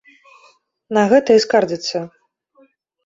На гэта і скардзяцца.